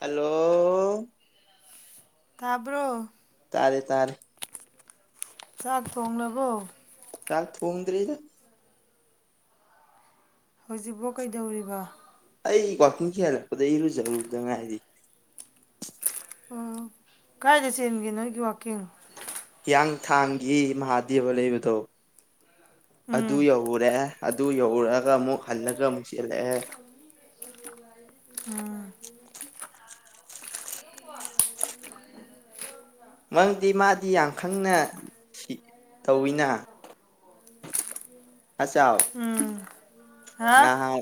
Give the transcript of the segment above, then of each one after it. hello ꯇꯥꯕ꯭ꯔꯣ ꯇꯥꯔꯦ ꯇꯥꯔꯦ ꯆꯥꯛ ꯊꯣꯡꯂꯥꯕꯣ ꯆꯥꯛ ꯊꯣꯡꯗ꯭ꯔꯤꯗ ꯍꯧꯖꯤꯛꯐꯥꯎ ꯀꯩꯗꯧꯔꯤꯕ ꯑꯩ ꯋꯥꯛꯀꯤꯡ ꯆꯦꯟ ꯍꯦꯜꯂꯛꯄꯗ ꯏꯔꯨꯖꯔꯨꯗ ꯉꯥꯏꯔꯤ ꯀꯗꯥꯏꯗ ꯆꯦꯟꯒꯦ ꯅꯣꯒꯤ ꯋꯥꯛꯀꯤꯡ ꯍꯤꯌꯥꯡꯊꯥꯡꯒꯤ ꯃꯍꯥꯗꯦꯕ ꯂꯩꯕꯗꯣ ꯑꯗꯨ ꯎꯝ ꯌꯧꯔꯨꯔꯦ ꯑꯗꯨ ꯌꯧꯔꯨꯔꯒ ꯑꯃꯨꯛ ꯍꯜꯂꯒ ꯑꯃꯨꯛ ꯆꯦꯜꯂꯛꯑꯦ ꯎꯝ ꯃꯔꯝꯗꯤ ꯃꯥꯗꯤ ꯌꯥꯝ ꯈꯪꯅ ꯇꯧꯋꯤꯅ ꯍꯆꯥꯎ [unintelligible] ꯎꯝ ꯍꯥ ꯅꯍꯥꯟ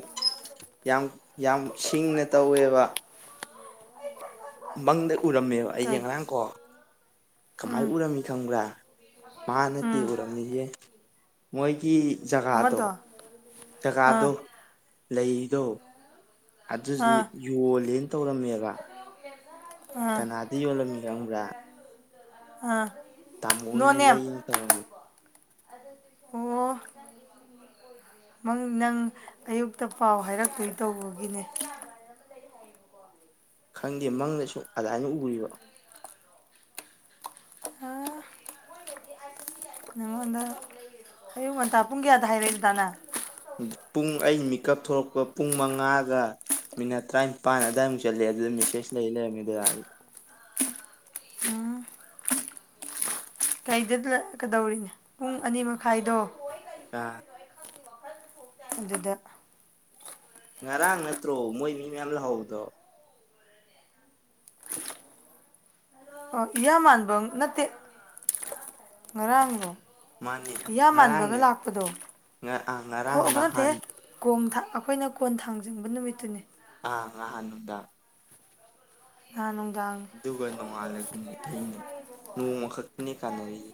ꯌꯥꯝ ꯌꯥꯝ ꯁꯤꯡꯅ ꯇꯧꯋꯦꯕ ꯃꯪꯗ ꯎꯔꯝꯃꯦꯕ ꯑꯩꯒꯤ ꯀꯩ ꯉꯔꯥꯡꯀꯣ ꯀꯃꯥꯏ ꯎꯝ ꯎꯔꯝꯃꯤ ꯈꯪꯕ꯭ꯔꯥ ꯃꯥ ꯅꯠꯇꯦ ꯎꯝ ꯎꯔꯝꯃꯤꯁꯦ ꯃꯣꯏꯒꯤ ꯖꯒꯥꯗꯣ ꯑꯃꯗꯣ ꯑꯥ ꯖꯒꯥꯗꯣ ꯂꯩꯔꯤꯗꯣ ꯑꯗꯨꯗꯤ ꯑꯥ ꯌꯣꯜꯂꯦꯅ ꯇꯧꯔꯝꯃꯦꯕ ꯑꯥ ꯀꯅꯥꯗ ꯌꯣꯜꯂꯝꯃꯤ ꯈꯪꯕ꯭ꯔꯥ ꯑꯥ ꯇꯥꯃꯣꯅ ꯅꯣ ꯍꯣꯢꯅ ꯅꯦꯝ ꯂꯩꯌꯦꯅ ꯇꯧꯔꯝꯃꯦ ꯑꯣ ꯅꯪ ꯑꯌꯨꯛꯇ ꯄꯥꯎ ꯍꯥꯏꯔꯛꯇꯣꯏ ꯇꯧꯕꯒꯤꯅꯦ ꯈꯪꯗꯦ ꯃꯪꯗꯁꯨ ꯑꯗꯨꯃꯥꯏꯅ ꯎꯔꯤꯕ ꯑ ꯅꯉꯣꯟꯗ ꯑꯌꯨꯛ ꯉꯟꯇꯥ ꯄꯨꯡ ꯀꯌꯥꯗ ꯍꯥꯏꯔꯛꯏ [unintelligible] ꯄꯨꯡ ꯑꯩ ꯃꯤꯀꯞ ꯊꯣꯛꯂꯛꯄ ꯄꯨꯡ ꯃꯉꯥꯗ ꯃꯤꯅꯠ ꯇꯔꯥꯅꯤꯄꯥꯟ ꯑꯗꯨꯋꯥꯏꯃꯨꯛ ꯆꯠꯂꯦ ꯑꯗꯨꯗ ꯃꯦꯁꯦꯖ ꯂꯩ ꯂꯩꯔꯝꯃꯦ ꯀꯩꯗꯀꯗꯧꯔꯤꯅꯦ [unintelligible] ꯄꯨꯡ ꯑꯅꯤ ꯃꯈꯥꯏꯗꯣ ꯑꯥ ꯑꯗꯨꯗ ꯉꯔꯥꯡ ꯅꯠꯇ꯭ꯔꯣ ꯃꯣꯏ ꯃꯤ ꯃꯌꯥꯝ ꯂꯥꯛꯍꯧꯕꯗꯣ ꯑꯣ [unintelligible] ꯃꯥꯟꯕ ꯅꯠꯇꯦ ꯉꯔꯥꯡꯂꯣ ꯃꯥꯅꯦ [unintelligible] ꯃꯥꯟꯕꯒ ꯉꯔꯥꯡꯅꯦ ꯂꯥꯛꯄꯗꯣ ꯈꯣ ꯉꯔꯥꯡ ꯅꯍꯥꯟ ꯅꯠꯇꯦꯌꯦ ꯀꯣꯟ ꯊꯥꯡ ꯑꯩꯈꯣꯏꯅ ꯀꯣꯟ ꯊꯥꯡꯖꯤꯡꯕ ꯅꯨꯃꯤꯠꯇꯨꯅꯤ ꯑꯥ ꯅꯍꯥꯟ ꯅꯨꯃꯤꯗꯥꯡ ꯅꯍꯥꯟ ꯅꯨꯡꯗꯥꯡ ꯑꯗꯨꯒ ꯅꯣꯡꯉꯥꯜꯂꯒꯅꯤ ꯑꯩꯅ ꯅꯣꯡꯃ ꯈꯛꯇꯅꯦ ꯀꯥꯟꯅꯔꯤꯁꯦ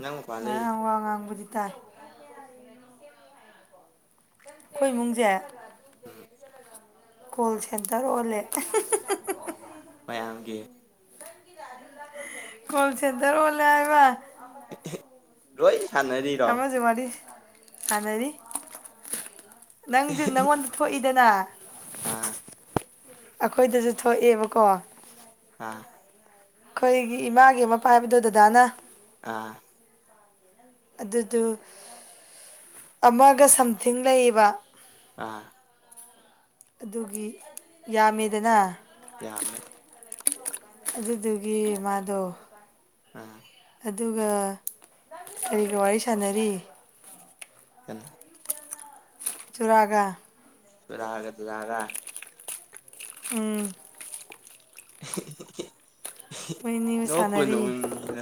ꯅꯪ ꯃꯄꯥꯟ ꯎꯥ ꯂꯩꯔꯤ ꯉꯔꯥꯡ ꯋꯥ ꯉꯥꯡꯕꯗꯤ ꯇꯥꯏ ꯑꯩꯈꯣꯏ ꯏꯃꯨꯡꯁꯦ ꯀꯣꯜ ꯁꯦꯟꯇꯔ ꯑꯣꯜꯂꯦ ꯃꯌꯥꯝꯒꯤ ꯀꯣꯜꯁꯦꯟꯗꯔ ꯑꯣꯜꯂꯦ ꯍꯥꯢꯕ ꯂꯣꯏ ꯁꯥꯟꯅꯔꯤ ꯑꯃꯁꯨ ꯋꯥꯔꯤ ꯁꯥꯟꯅꯔꯤ ꯅꯪꯁꯨ ꯅꯪꯉꯣꯟ ꯊꯣꯛꯏꯗꯅ ꯑꯥ ꯑꯩꯈꯣꯏꯗꯁꯨ ꯊꯣꯛꯑꯦꯕꯀꯣ ꯑꯥ ꯑꯩꯈꯣꯏꯒꯤ ꯏꯃꯥꯒꯤ ꯃꯄꯥꯝꯗꯣ ꯗꯗꯥꯅ ꯑꯥ ꯑꯗꯨꯗꯨ ꯑꯃꯒ ꯁꯝꯊꯤꯡ ꯂꯩꯌꯦꯕ ꯑꯥ ꯑꯗꯨꯒꯤ ꯌꯥꯝꯃꯦꯗꯅ ꯌꯥꯝꯃꯦ ꯑꯗꯨꯗꯨꯒꯤ ꯃꯥꯗꯣ ꯑꯝ ꯑꯗꯨꯒ ꯀꯔꯤꯒ ꯋꯥꯔꯤ ꯁꯥꯟꯅꯔꯤ ꯍꯦꯂ [unintelligible] ꯆꯨꯔꯥꯒ ꯗꯨꯔꯒ ꯗꯨꯔꯒ ꯎꯝ ꯃꯣꯏꯅꯤꯒ ꯅꯣꯛꯄꯨ ꯁꯥꯟꯅꯔꯤ ꯅꯣꯛꯅꯤꯡꯉꯤꯗ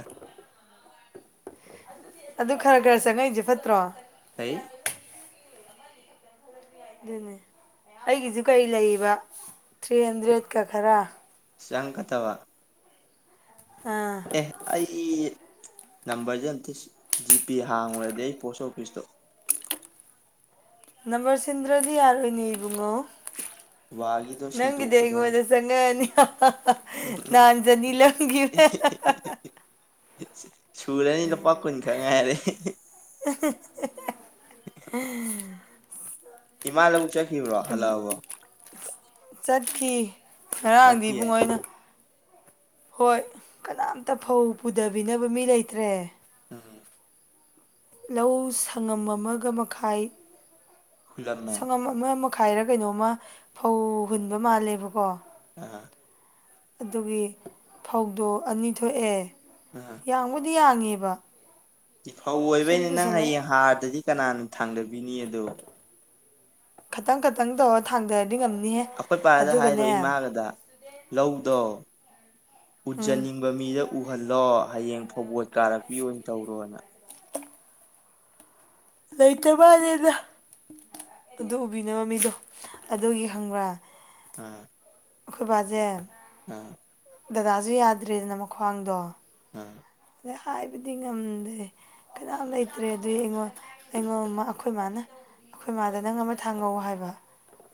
ꯑꯗꯨ ꯈꯔ ꯈꯔ ꯆꯪꯉꯛꯏꯁꯦ ꯐꯠꯇ꯭ꯔꯣ ꯐꯩ ꯑꯗꯨꯅꯦ ꯑꯩꯒꯤꯁꯨ ꯀꯩ ꯂꯩꯔꯤꯕ ꯊ꯭ꯔꯤ ꯍꯟꯗ꯭ꯔꯦꯠꯀ ꯈꯔ ꯆꯪ ꯐꯠꯇꯕ ꯑꯥ ꯑꯦ ꯑꯩ ꯅꯝꯕꯔꯁꯦ ꯑꯝꯇ ꯖꯤ ꯄꯦ ꯍꯥꯡꯉꯨꯔꯗꯤ ꯑꯩ ꯄꯣꯁ ꯑꯣꯐꯤꯁꯇꯣ ꯅꯝꯕꯔ ꯁꯤꯟꯗ꯭ꯔꯗꯤ ꯌꯥꯔꯣꯏꯅꯦ ꯏꯕꯨꯡꯉꯣ ꯕꯕꯥꯒꯤꯗꯣ ꯅꯪꯒꯤꯗꯤ ꯁꯤꯟꯇꯣꯛꯀꯗꯕꯅꯤ ꯑꯩꯉꯣꯟꯗ ꯆꯪꯉꯅꯤ ꯎꯝ ꯅꯥꯍꯥꯟ ꯆꯅꯤ ꯂꯧꯒꯤ ꯁꯨꯔꯅꯤ ꯂꯨꯄꯥ ꯀꯨꯟ ꯈꯥꯛ ꯉꯥꯏꯔꯦ [unintelligible] ꯏꯃꯥ ꯂꯧꯄꯨꯛ ꯆꯠꯈꯤꯕ꯭ꯔꯣ ꯍꯜꯂꯛꯑꯕꯣ ꯆꯠꯈꯤ ꯉꯔꯥꯡꯗꯤ ꯆꯠꯈꯤꯌꯦ ꯏꯕꯨꯡꯉꯣ ꯑꯩꯅ ꯍꯣꯏ ꯀꯅꯥꯝꯇ ꯐꯧ ꯄꯨꯗꯕꯤꯅꯕ ꯃꯤ ꯂꯩꯇ꯭ꯔꯦ ꯎꯝ ꯂꯧ ꯁꯪꯉꯝ ꯑꯃꯒ ꯃꯈꯥꯏ ꯍꯨꯜꯂꯝꯃꯦ ꯁꯪꯉꯝ ꯑꯃ ꯃꯈꯥꯏꯔ ꯀꯩꯅꯣꯝꯃ ꯐꯧ ꯍꯨꯟꯕ ꯃꯥꯜꯂꯦꯕꯀꯣ ꯑꯥ ꯑꯗꯨꯒꯤ ꯐꯧꯗꯣ ꯑꯅꯤ ꯊꯣꯛꯑꯦ ꯑꯥ ꯌꯥꯡꯕꯨꯗꯤ ꯌꯥꯡꯉꯦꯕ ꯐꯧ ꯑꯣꯏꯕꯩꯅꯦ ꯁꯨꯝ ꯅꯪ ꯄꯨꯁꯜꯂ ꯍꯌꯦꯡ ꯍꯥꯔꯗꯗꯤ ꯀꯅꯥꯅ ꯊꯥꯡꯗꯕꯤꯅꯤ ꯑꯗꯣ ꯈꯇꯪ ꯈꯇꯪ ꯇꯧꯔ ꯊꯥꯡꯊꯔꯗꯤ ꯉꯝꯅꯤꯍꯦ ꯑꯩꯈꯣꯏ ꯄꯥꯗ ꯍꯥꯏꯔꯣ ꯑꯗꯨꯒꯅꯦ ꯏꯃꯥꯒꯗ ꯂꯧꯗꯣ ꯎꯝ ꯎꯖꯅꯤꯡ ꯃꯤꯗ ꯎꯍꯜꯂꯣ ꯍꯌꯦꯡ ꯐꯧꯕꯣꯠ ꯀꯥꯔꯛꯄꯤ ꯑꯣꯏꯅ ꯇꯧꯔꯣꯅ ꯂꯩꯇ꯭ꯔ ꯃꯥꯜꯂꯦꯗ ꯑꯗꯨ ꯎꯕꯤꯅꯕ ꯃꯤꯗꯣ ꯑꯗꯨꯒꯤ ꯈꯪꯕ꯭ꯔꯥ ꯑꯥ ꯑꯈꯣꯏ ꯕ ꯁꯦ ꯑꯥ ꯗꯗꯥꯁꯨ ꯌꯥꯗ꯭ꯔꯦꯗꯅ ꯃꯈ꯭ꯋꯥꯡꯗꯣ ꯑꯥ ꯑꯗꯩ ꯍꯥꯏꯕꯗꯤ ꯉꯝꯗꯦ ꯀꯅꯥꯝ ꯂꯩꯇ꯭ꯔꯦ ꯑꯗꯨꯗꯤ ꯑꯩꯉꯣꯟ ꯑꯩꯉꯣꯟ ꯑꯩꯈꯣꯏ ꯃꯥꯅ ꯑꯩꯈꯣꯏ ꯃꯥꯗ ꯅꯪ ꯑꯃ ꯊꯥꯡꯉꯧ ꯍꯥꯏꯕ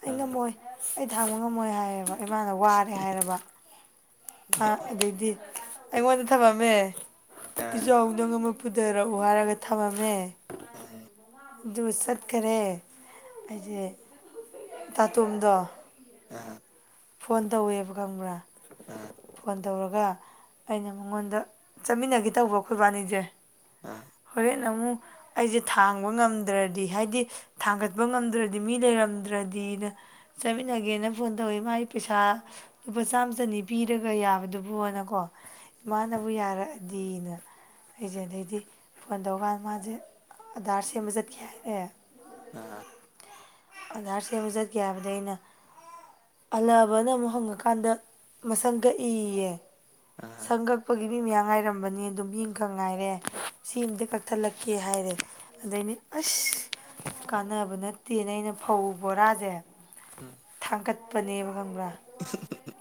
ꯑꯩ ꯑꯥ ꯉꯝꯃꯣꯏ ꯑꯩ ꯊꯥꯡꯕ ꯉꯝꯃꯣꯏ ꯍꯥꯏꯌꯦꯕ ꯑꯩꯃꯥꯅ ꯋꯥꯔꯦ ꯍꯥꯏꯔꯕ ꯑ ꯑꯗꯩꯗꯤ ꯑꯩꯉꯣꯟꯗ ꯊꯝꯂꯝꯃꯦ ꯄꯤꯖꯧ ꯑꯗꯨꯒ ꯑꯃꯨꯛ ꯄꯨꯨꯗꯔꯛꯑꯣ ꯍꯥꯏꯔꯒ ꯊꯝꯃꯝꯃꯦ ꯎꯝ ꯑꯗꯨ ꯆꯠꯈꯔꯦ ꯑꯩꯁꯦ ꯇꯥꯇꯣꯝꯗꯣ ꯑꯥ ꯐꯣꯟ ꯇꯧꯋꯦꯕ ꯈꯪꯕ꯭ꯔꯥ ꯑꯥ ꯐꯣꯟ ꯇꯧꯔꯒ ꯑꯩꯅ ꯃꯉꯣꯟꯗ ꯆꯠꯃꯤꯟꯅꯒꯦ ꯇꯧꯕ ꯑꯩꯈꯣꯏꯕꯥꯅꯤꯁꯦ ꯑꯥ ꯍꯣꯔꯦꯟ ꯑꯃꯨ ꯑꯩꯖꯦ ꯊꯥꯡꯕ ꯉꯝꯗ꯭ꯔꯗꯤ ꯍꯥꯏꯗꯤ ꯊꯥꯡꯒꯠꯄ ꯉꯝꯗ꯭ꯔꯗꯤ ꯃꯤ ꯂꯩꯔꯝꯗ꯭ꯔꯗꯤꯅ ꯆꯠꯃꯤꯟꯅꯒꯦꯅ ꯐꯣꯟ ꯇꯧꯋꯤ ꯃꯥꯏ ꯄꯩꯁꯥ ꯂꯨꯄꯥ ꯆꯥꯝ ꯆꯅꯤ ꯄꯤꯔꯒ ꯌꯥꯕꯗꯨꯕꯨꯅꯀꯣ ꯏꯃꯥꯅꯕꯨ ꯌꯥꯔꯛꯑꯗꯤꯅ ꯑꯩꯁꯦ ꯑꯗꯩꯗꯤ ꯐꯣꯟ ꯇꯧꯔꯀꯥꯟꯗ ꯃꯥꯁꯦ ꯑꯙꯔ ꯁꯦꯝꯕ ꯆꯠꯈꯤ ꯍꯥꯏꯑꯦ ꯑꯥ ꯑꯗꯥꯔ ꯁꯦꯝꯕ ꯆꯠꯈꯤ ꯍꯥꯏꯕꯗꯩ ꯑꯩꯅ ꯍꯜꯂꯛꯑꯕꯅ ꯑꯃꯨꯛ ꯍꯪꯉꯀꯥꯟꯗ ꯃꯁꯝ ꯀꯛꯏꯌꯦ ꯑꯥ ꯁꯝ ꯀꯛ ꯑꯛꯄꯒꯤ ꯃꯤ ꯃꯌꯥꯝ ꯉꯥꯏꯔꯝꯕꯅꯤ ꯅꯨꯄꯤꯝ ꯈꯛ ꯉꯥꯏꯔꯦ ꯁꯤ ꯑꯝꯇ ꯀꯛꯊꯠꯂꯛꯀꯦ ꯍꯥꯏꯔꯦ ꯑꯗꯩꯅꯤ ꯑꯁ ꯀꯥꯟꯅꯕ ꯅꯠꯇꯦꯅ ꯑꯩꯅ ꯐꯧ ꯕꯣꯔꯥꯁꯦ ꯎꯝ ꯊꯥꯡꯒꯠꯄꯅꯦꯕ ꯈꯪꯕ꯭ꯔꯥ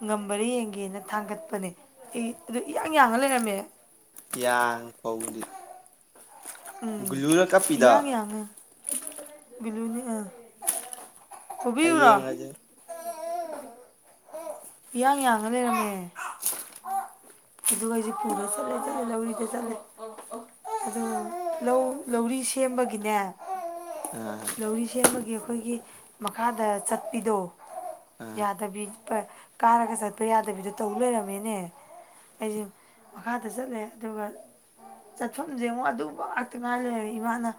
ꯉꯝꯕꯔ ꯌꯦꯡꯒꯦꯅ ꯊꯥꯡꯒꯠꯄꯅꯦ ꯑꯦ ꯑꯗꯨ ꯏꯌꯥꯡ ꯌꯥꯡꯉ ꯂꯩꯔꯝꯃꯦ ꯌꯥꯡ ꯐꯥꯎꯗꯤ ꯎꯝ ꯀꯞꯄꯤꯗꯣ ꯏꯌꯥꯡ ꯌꯥꯡꯉꯦ ꯕꯤꯂꯨꯅꯤ ꯑ ꯍꯌꯦꯡꯖꯦ ꯏꯌꯥꯡ ꯌꯥꯡꯉ ꯂꯩꯔꯝꯃꯦ ꯑꯗꯨꯒ ꯑꯩꯁꯦ ꯄꯨꯔꯒ ꯂꯧꯔꯤꯗ ꯆꯠꯂꯦ ꯑꯗꯨꯒ ꯂꯧ ꯂꯧꯔꯤ ꯁꯦꯝꯕꯒꯤꯅꯦ ꯑꯥ ꯂꯧꯔꯤ ꯁꯦꯝꯕꯒꯤ ꯑꯩꯈꯣꯏꯒꯤ ꯃꯈꯥꯗ ꯆꯠꯄꯤꯗꯣ ꯑꯥ ꯌꯥꯗꯕꯤ ꯀꯥꯔꯒ ꯆꯠꯄ ꯌꯥꯗꯕꯤꯗꯣ ꯇꯧ ꯂꯩꯔꯝꯃꯦꯅꯦ ꯑꯩꯖꯦ ꯃꯈꯥꯗ ꯆꯠꯂꯦ ꯑꯗꯨꯒ ꯆꯠꯐꯝꯁꯦ ꯑꯃꯨꯛ ꯑꯗꯨ ꯑꯥꯛꯇꯉꯥꯏ ꯂꯩꯔ ꯏꯃꯥꯅ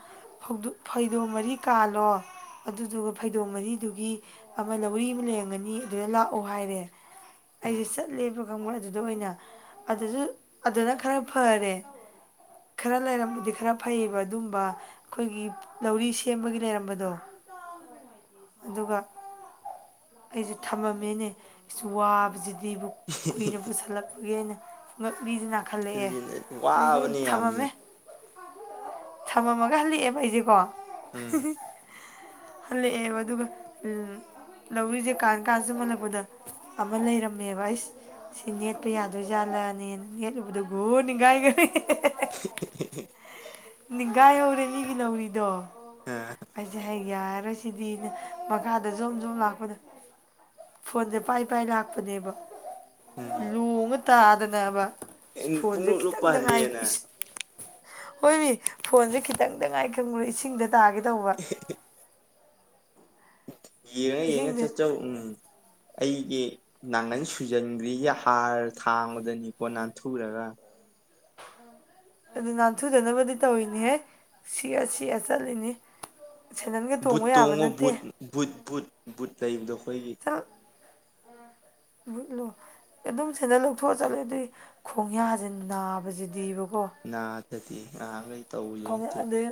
ꯐꯩꯗꯣꯝ ꯃꯔꯤ ꯀꯥꯜꯂꯣ ꯑꯗꯨꯗꯨꯒ ꯐꯩꯗꯣꯡ ꯃꯔꯤꯗꯨꯒꯤ ꯑꯃ ꯂꯧꯔꯤ ꯑꯃ ꯂꯩꯔꯝꯒꯅꯤ ꯑꯗꯨꯗ ꯂꯥꯛꯑꯣ ꯍꯥꯏꯔꯦ ꯎꯝ ꯑꯩꯖꯦ ꯆꯠꯂꯦꯕ ꯈꯪꯕ꯭ꯔꯥ ꯑꯗꯨꯗ ꯑꯣꯏꯅ ꯑꯗꯨꯁꯨ ꯑꯗꯨꯅ ꯈꯔ ꯐꯔꯦ ꯈꯔ ꯂꯩꯔꯝꯕꯗꯤ ꯈꯔ ꯐꯩꯌꯦꯕ ꯑꯗꯨꯝꯕ ꯑꯩꯈꯣꯏꯒꯤ ꯂꯧꯔꯤ ꯁꯦꯝꯕꯒꯤ ꯂꯩꯔꯝꯕꯗꯣ ꯑꯗꯨꯒ ꯑꯩꯁꯨ ꯊꯝꯃꯝꯃꯦꯅꯦ ꯑꯩꯁꯨ ꯋꯥꯕꯁꯤꯗꯤꯕꯨ ꯀꯨꯏꯅ ꯄꯨꯁꯜꯂꯛꯄꯒꯤ ꯑꯩꯅ ꯉꯛꯂꯤꯖꯦ ꯅꯥꯈꯜꯂꯛꯑꯦ ꯑꯗꯨꯗꯩ ꯋꯥꯕꯅꯤ ꯌꯥꯝꯅ ꯊꯝꯃꯝꯃꯦ ꯊꯝꯃꯝꯃꯒ ꯍꯜꯂꯛꯑꯦꯕ ꯑꯩꯁꯦꯀꯣ ꯎꯝ ꯍꯜꯂꯛꯑꯦꯕ ꯑꯗꯨꯒ ꯎꯝ ꯂꯧꯔꯤꯁꯦ ꯀꯥꯟ ꯀꯥꯟ ꯌꯨꯝ ꯍꯜꯂꯛꯄꯗ ꯑꯃ ꯂꯩꯔꯝꯃꯦꯕ ꯑꯩꯁ ꯁꯤ ꯅꯦꯠꯄ ꯌꯥꯗꯣꯏꯖꯥꯠꯂꯅꯦ ꯅꯦꯠꯂꯨꯕꯗ ꯒꯨ ꯅꯤꯡꯒꯥꯏꯒꯔꯦ ꯅꯤꯡꯒꯥꯏ ꯍꯧꯔꯦ ꯃꯤꯒꯤ ꯂꯧꯔꯤꯗꯣ ꯎꯝ ꯑꯩꯁꯦ ꯍ ꯌꯥꯔꯣꯏꯁꯤꯗꯤ ꯃꯈꯥꯗ ꯖꯨꯝ ꯖꯨꯝ ꯂꯥꯛꯄ ꯐꯣꯟꯖꯦ ꯄꯥꯏ ꯄꯥꯏ ꯂꯥꯛꯄꯅꯦꯕ ꯎꯝ ꯂꯨꯉ ꯇꯥꯗꯅꯕ ꯐꯣꯟꯖꯦ ꯄꯨꯡꯂꯨꯞ ꯂꯨꯞꯄ ꯈꯤꯇꯪꯗ ꯉꯥꯏ ꯍꯜꯂꯦꯅ ꯍꯣꯏ ꯃꯤ ꯐꯣꯟꯖꯦ ꯈꯤꯇꯪꯗ ꯉꯥꯏ ꯈꯪꯕ꯭ꯔꯥ ꯏꯁꯤꯡꯗ ꯇꯥꯒꯦ ꯇꯧꯕ [unintelligible] ꯌꯦꯉ ꯌꯦꯉ ꯏꯁꯤꯡꯗ ꯆꯠꯆꯧ ꯎꯝ ꯑꯩꯒꯤ ꯅꯥꯡꯒꯟ ꯁꯨꯖꯟꯈ꯭ꯔꯤꯖꯦ ꯍꯥꯔ ꯊꯥꯡꯕꯗꯅꯤꯀꯣ ꯅꯥꯟꯊꯨꯔꯒ ꯑꯗꯨ ꯅꯥꯟꯊꯨꯗꯅꯕꯗꯤ ꯇꯧꯔꯤꯅꯤꯍꯦ ꯁꯤꯒ ꯁꯤꯒ ꯆꯠꯂꯤꯅꯤ ꯁꯦꯟꯗꯟꯒ ꯕꯨꯠ ꯇꯣꯡꯕ ꯌꯥꯕ ꯇꯣꯡꯉꯣ ꯅꯠꯇꯦ ꯕꯨꯠ ꯕꯨꯠ ꯕꯨꯠ ꯕꯨꯠ ꯂꯩꯕꯗꯣ ꯑꯩꯈꯣꯏꯒꯤ ꯕꯨꯠꯂꯨ ꯑꯗꯨꯝ ꯁꯦꯟꯗꯟ ꯂꯧꯊꯣꯛꯑ ꯆꯠꯂꯗꯤ ꯈꯣꯡꯌꯥꯁꯦ ꯅꯥꯕꯁꯤꯗꯤꯕꯀꯣ ꯅꯥꯗꯗꯤ ꯅꯍꯥꯟꯒꯩ ꯈꯣꯡꯉꯦ ꯑꯗꯩ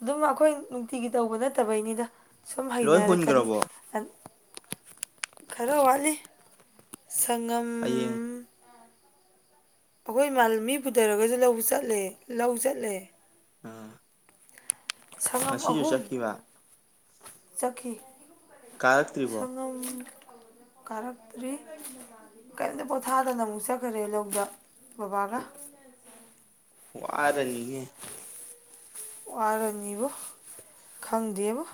ꯑꯗꯨꯝ ꯑꯩꯈꯣꯏ ꯅꯨꯡꯇꯤꯒꯤ ꯇꯧꯕ ꯅꯠꯇꯕꯩꯅꯤꯗ ꯁꯨꯝ ꯂꯣꯏ ꯍꯩꯅꯔꯛꯀꯅꯤ ꯍꯨꯟꯈ꯭ꯔꯕꯣ ꯈꯔ ꯋꯥꯠꯂꯤ ꯁꯪꯉꯝ ꯍꯌꯦꯡ ꯎꯝ ꯑꯩꯈꯣꯏ ꯏꯃꯥꯜ ꯃꯤ ꯄꯨꯊꯔꯒꯁꯨ ꯂꯧꯕ ꯆꯠꯂꯦ ꯂꯧ ꯆꯠꯂꯦ ꯑ ꯁꯉꯝ ꯑꯍꯨꯝ ꯆꯠꯈꯤꯕ ꯆꯠꯈꯤ ꯀꯥꯔꯛꯇ꯭ꯔꯤꯕꯣ ꯁꯒꯝ ꯀꯥꯔꯛꯇ꯭ꯔꯤ ꯀꯩꯝꯇ ꯄꯣꯊꯥꯗꯅ ꯑꯃꯨꯛ ꯆꯠꯈꯔꯦ ꯂꯧꯗ ꯕꯕꯥꯒ ꯋꯥꯔꯅꯤꯌꯦ ꯋꯥꯔꯅꯤꯕꯨꯨ ꯈꯪꯗꯦꯕꯨ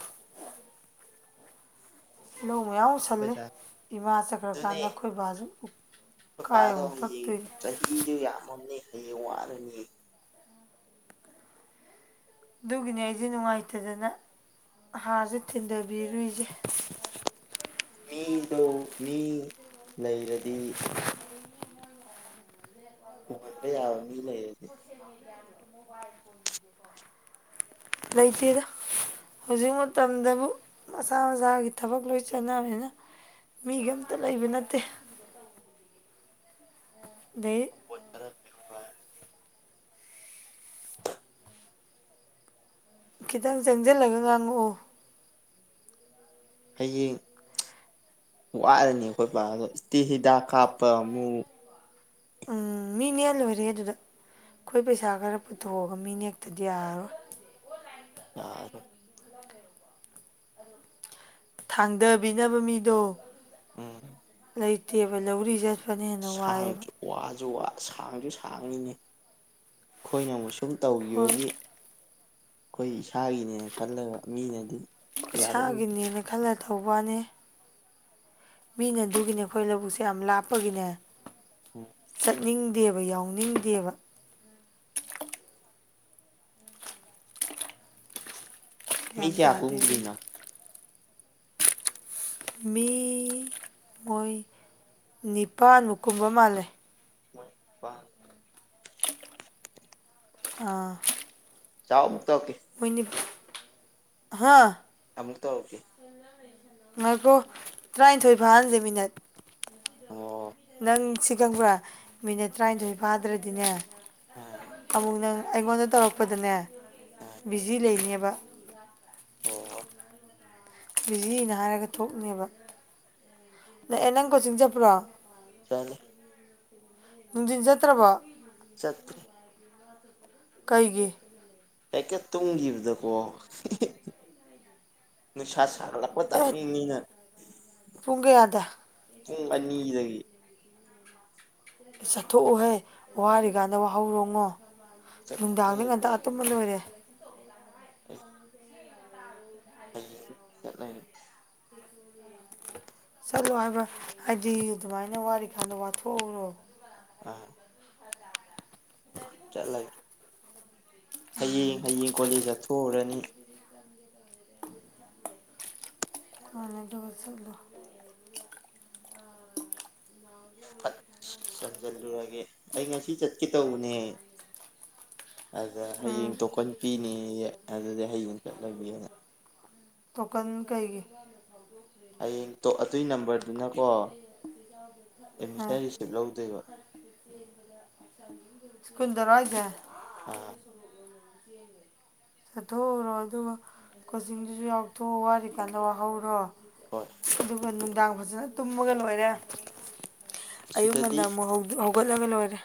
ꯂꯧ ꯃꯌꯥ ꯈꯜꯂꯦ ꯑꯩꯈꯣꯏꯗ ꯏꯃꯥ ꯑꯗꯨꯅꯦ ꯆꯠꯈ꯭ꯔꯀꯥꯟꯗ ꯑꯩꯈꯣꯏ ꯕꯥꯁꯨ ꯎ ꯀꯥꯏ ꯄꯄꯥꯗꯣ ꯑꯃꯨꯛ ꯍꯌꯦꯡ ꯇꯛꯇꯣꯏꯅꯤ ꯆꯍꯤꯗꯨ ꯌꯥꯝꯃꯅꯦ ꯍꯌꯦꯡ ꯋꯥꯅꯤꯌꯦ ꯑꯗꯨꯒꯤꯅꯦ ꯑꯩꯁꯦ ꯅꯨꯡꯉꯥꯏꯇꯗꯅ ꯍꯥꯔꯁꯦ ꯊꯤꯟꯊꯕꯤꯔꯨꯏꯁꯦ ꯃꯤꯗꯣ ꯃꯤ ꯂꯩꯔꯗꯤ ꯎꯍꯟꯕ ꯌꯥꯕ ꯃꯤ ꯂꯩꯔꯗꯤ [unintelligible] ꯂꯩꯇꯦꯗ ꯍꯧꯖꯤꯛ ꯃꯇꯝꯗꯕꯨ ꯃꯁꯥ ꯃꯁꯥꯒꯤ ꯊꯕꯛ ꯂꯣꯏ ꯆꯠꯅꯕꯅꯤꯅ ꯃꯤꯒ ꯑꯝꯇ ꯂꯩꯕ ꯅꯠꯇꯦ ꯑꯗꯩ ꯀꯣꯏ ꯇꯔ [unintelligible] ꯈꯤꯇꯪ ꯆꯪꯖꯜꯂꯒ ꯉꯥꯡꯉꯛꯑꯣ ꯍꯌꯦꯡ ꯋꯥꯔꯅꯤ ꯑꯩꯈꯣꯏꯕꯒꯗꯣ ꯏꯁ ꯇꯤꯜ ꯍꯤꯗꯥꯛ ꯀꯥꯞꯄ ꯑꯃꯨꯛ ꯎꯝ ꯃꯤ ꯅꯦꯜꯑ ꯂꯣꯏꯔꯦ ꯑꯗꯨꯗ ꯑꯩꯈꯣꯏ ꯄꯩꯁꯥ ꯈꯔ ꯄꯨꯊꯣꯛꯑꯒ ꯃꯤ ꯅꯦꯛꯇꯗꯤ ꯌꯥꯔꯔꯣꯏ ꯌꯥꯔꯣꯏ ꯊꯥꯡꯗꯕꯤꯅꯕ ꯃꯤꯗꯣ ꯎꯝ ꯂꯩꯇꯦꯕ ꯂꯧꯔꯤꯖꯦ ꯁꯥꯡꯁꯨ ꯋꯥꯁꯨ ꯋꯥ ꯁꯥꯡꯁꯨ ꯁꯥꯡꯉꯤꯅꯦ ꯑꯩꯈꯣꯏꯅ ꯑꯃꯨꯛꯁꯨ ꯁꯨꯝ ꯍꯣꯏ ꯇꯧꯈꯤꯕꯒꯤ ꯑꯩꯈꯣꯏ ꯏꯁꯥꯒꯤꯅꯦ ꯈꯜꯂꯒ ꯃꯤꯅꯗꯤ ꯌꯥꯔꯛꯑꯣꯏ ꯏꯁꯥꯒꯤꯅꯦꯅ ꯈꯜꯂ ꯇꯧꯕꯋꯥꯅꯦ ꯃꯤꯅ ꯑꯗꯨꯒꯤꯅꯦ ꯑꯩꯈꯣꯏ ꯂꯧꯕꯨꯛꯁꯦ ꯌꯥꯝ ꯂꯥꯞꯄꯒꯤꯅꯦ ꯎꯝ ꯆꯠꯅꯤꯡꯗꯦꯕ ꯌꯥꯎꯅꯤꯡꯗꯦꯕ ꯃꯤ ꯒ꯭ꯌꯥꯟ ꯀꯌꯥ ꯇꯥꯗꯦ ꯑꯗꯨꯅ ꯀꯨꯨꯝꯒꯔꯤꯅꯣ ꯃꯤ ꯃꯣꯏ ꯅꯤꯄꯥꯥꯟꯃꯨꯛ ꯀꯨꯝꯕ ꯃꯥꯜꯂꯦ ꯃꯣꯏ ꯅꯤꯄꯥꯟ ꯑꯥ ꯆꯥꯎ ꯑꯃꯨꯛ ꯇꯧꯔꯛꯀꯦ ꯃꯣꯏ ꯅꯤ ꯍꯥꯥ ꯑꯃꯨꯛ ꯇꯧꯔꯛꯀꯦ ꯉꯥꯏꯈꯣ ꯇꯔꯥꯏꯟꯊꯣꯏ ꯐꯥꯍꯟꯁꯦ ꯃꯤꯅꯠ ꯑꯣ ꯅꯪ ꯁꯤ ꯈꯪꯕ꯭ꯔꯥ ꯃꯤꯅꯠ ꯇꯔꯥꯅꯤꯊꯣꯏ ꯐꯥꯗ꯭ꯔꯗꯤꯅꯦ ꯑꯥ ꯑꯃꯨꯛ ꯅꯪ ꯑꯩꯉꯣꯟꯗ ꯇꯧꯔꯛꯄꯗꯅꯦ ꯑꯝ ꯕꯤꯖꯤ ꯂꯩꯅꯦꯕ ꯑꯣ ꯑꯣ ꯕꯤꯖꯤꯅꯦ ꯍꯥꯏꯔꯒ ꯊꯣꯛꯅꯦꯕ ꯂꯥꯛ ꯑꯦ ꯅꯪ ꯀꯣꯆꯤꯡ ꯆꯠꯄ꯭ꯔꯣ ꯆꯠꯂꯦ ꯅꯨꯡꯗꯤꯟ ꯆꯠꯇ꯭ꯔꯕꯣ ꯆꯠꯇ꯭ꯔꯤ ꯀꯩꯒꯤ ꯍꯦꯛꯇ ꯇꯨꯝꯒꯤꯕꯗꯀꯣ ꯅꯨꯡꯁꯥ ꯁꯥꯒꯠꯂ ꯄ ꯑꯦ ꯇꯥꯏꯃꯤꯡꯅꯤꯅ ꯄꯨꯡ ꯀꯌꯥꯗ ꯄꯨꯡ ꯑꯅꯤꯗꯒꯤ ꯆꯠꯊꯣꯛꯎꯨꯍꯦ ꯋꯥꯔꯤꯀꯥꯟꯗ ꯋꯥꯍꯧꯔꯣꯉꯣ ꯆꯠꯀꯦ ꯅꯨꯡꯗꯥꯡꯗ ꯉꯟꯇꯥ ꯇꯨꯝꯃ ꯂꯣꯏꯔꯦ ꯑ [unintelligible] ꯍꯌꯦꯡꯗꯩ ꯆꯠꯂꯒꯦ ꯆꯠꯂꯣ ꯍꯥꯏꯕ ꯍꯥꯏꯗꯤ ꯑꯗꯨꯃꯥꯏꯅ ꯋꯥꯔꯤꯀꯥꯟꯗ ꯋꯥꯊꯣꯛꯍꯧꯔꯣ ꯑꯥ ꯆꯠꯂꯒꯦ ꯍꯌꯦꯡ ꯍꯌꯦꯡ ꯀꯣꯂꯦꯖ ꯆꯠꯊꯣꯛꯎꯔꯅꯤ ꯍꯣꯏ ꯍꯣꯏ ꯑꯗꯨꯒ ꯆꯠꯂꯣ ꯐꯠ ꯆꯟ ꯆꯜꯂꯨꯔꯒꯦ ꯑꯩ ꯉꯁꯤ ꯆꯠꯀꯦ ꯇꯧꯕꯅꯦ ꯑꯗ ꯎꯝ ꯍꯌꯦꯡ ꯇꯣꯀꯟ ꯄꯤꯅꯤꯌꯦ ꯑꯗꯨꯗꯤ ꯍꯌꯦꯡ ꯆꯠꯂꯒꯦꯅ ꯇꯣꯀꯟ ꯀꯩꯒꯤ ꯍꯌꯦꯡ ꯇꯣ ꯑꯗꯨꯏ ꯅꯝꯕꯔꯗꯨꯅꯀꯣ ꯑꯦꯠꯃꯤꯁꯟ ꯔꯤꯁꯤꯞ ꯂꯧꯗꯣꯏꯕ ꯏꯁꯀꯨꯜ ꯗꯔꯣ ꯍꯥꯢꯖꯦ ꯑꯥ ꯆꯠꯊꯣꯛꯎꯔꯣ ꯑꯗꯨꯒ ꯀꯣꯆꯤꯡꯗꯨꯁꯨ ꯌꯥꯎꯊꯣꯛꯑꯣ ꯋꯥꯔꯤ ꯀꯥꯟꯗ ꯋꯥꯍꯧꯔꯣ ꯍꯣꯏ ꯑꯗꯨꯒ ꯅꯨꯡꯗꯥꯡ ꯐꯖꯅ ꯇꯨꯝꯃꯒ ꯂꯣꯏꯔꯦ ꯑꯌꯨꯛ ꯉꯟꯅ ꯑꯃꯨꯛ ꯍꯧ ꯍꯧꯒꯠ ꯂꯥꯒꯥ ꯂꯣꯏꯔꯦ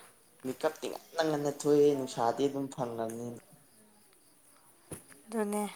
ꯃꯦꯀꯞꯇꯤ ꯉꯟꯅ ꯉꯟꯅ ꯊꯣꯛꯑꯦ ꯅꯨꯡꯁꯥꯗꯤ ꯑꯗꯨꯝ ꯐꯪꯉꯕꯅꯤꯅ ꯑꯗꯨꯅꯦ